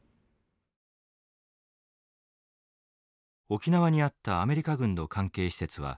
沖縄にあったアメリカ軍の関係施設は